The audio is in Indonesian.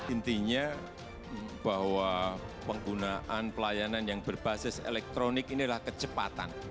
intinya bahwa penggunaan pelayanan yang berbasis elektronik inilah kecepatan